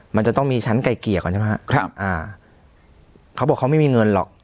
มันจะต้องมีชั้นไกลเกลี่ยก่อนใช่ไหมครับอ่าเขาบอกเขาไม่มีเงินหรอก